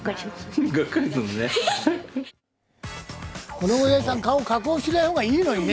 このおやじさん、顔加工しない方がいいのにね。